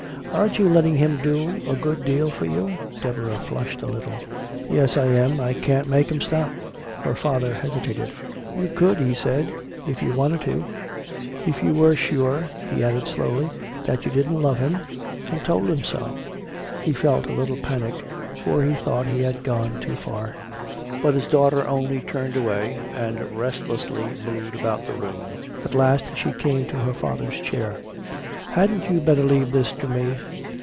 "Aren't you letting him do a good deal for you?" Deborah flushed a little: "Yes, I am. I can't make him stop." Her father hesitated. "You could," he said, "if you wanted to. If you were sure," he added slowly, "that you didn't love him and told him so." He felt a little panic, for he thought he had gone too far. But his daughter only turned away and restlessly moved about the room. At last she came to her father's chair: "Hadn't you better leave this to me?"